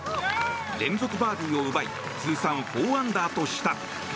連続バーディーを奪い通算４アンダーとした。